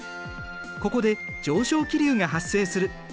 ここで上昇気流が発生する。